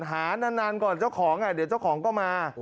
หานานก่อนเจ้าของเดี๋ยวเจ้าของก็มา